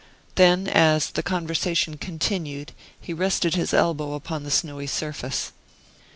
Then, as the conversation continued, he rested his elbow upon the snowy surface."